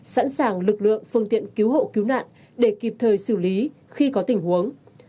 sẵn sàng lực lượng phương tiện cứu hộ cứu nạn để kịp thời xử lý khi có tình huống